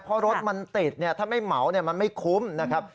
เพราะรถมันติดเนี่ยถ้าไม่เหมามันไม่คุ้มนะครับ